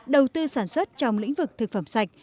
đầu tư sản xuất trong lĩnh vực thực phẩm sạch